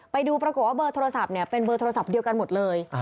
ไปดูปรากฏว่าเบอร์โทรศัพท์เป็นเบอร์โทรศัพท์เดียวกันหมดเลย